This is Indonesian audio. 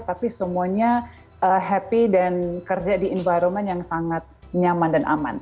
tapi semuanya happy dan kerja di environment yang sangat nyaman dan aman